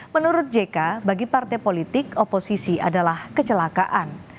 menurut jk bagi partai politik oposisi adalah kecelakaan